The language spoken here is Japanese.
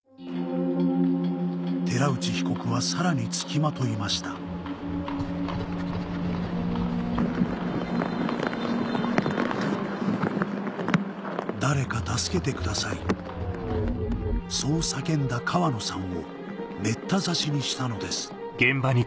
寺内被告はさらに付きまといました「誰か助けてください」そう叫んだ川野さんをめった刺しにしたのです